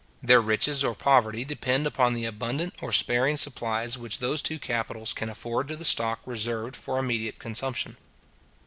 Their riches or poverty depend upon the abundant or sparing supplies which those two capitals can afford to the stock reserved for immediate consumption.